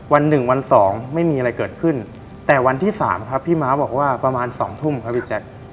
วัน๑วัน๒ไม่มีอะไรเกิดขึ้นแต่วันที่๓พี่ม้าบอกว่าประมาณ๒ทุ่มครับพี่แจ๊ค